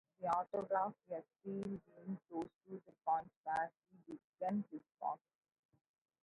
He autographed a steel beam close to the point where he began his walk.